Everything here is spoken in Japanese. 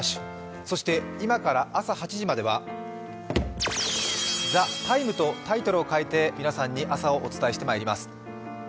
そして今から朝８時までは「ＴＨＥＴＩＭＥ，」とタイトルを変えて皆さんに朝をお伝えしてまいります。